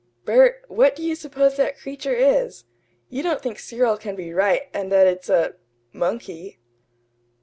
"Bert, what do you suppose that creature is? You don't think Cyril can be right, and that it's a monkey?"